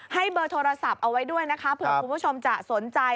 เบอร์โทรศัพท์เอาไว้ด้วยนะคะเผื่อคุณผู้ชมจะสนใจ